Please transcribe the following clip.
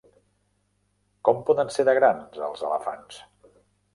Com poden ser de grans els elefants?